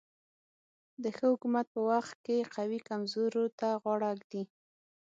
د ښه حکومت په وخت کې قوي کمزورو ته غاړه ږدي.